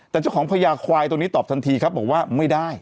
แต่เจ้าของพญาควายตัวนี้ตอบทันทีครับบอกว่าไม่ได้